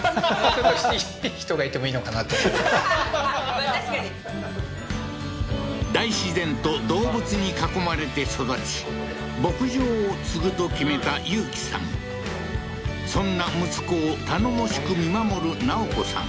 まあ確かに大自然と動物に囲まれて育ち牧場を継ぐと決めた雄喜さんそんな息子を頼もしく見守る奈緒子さん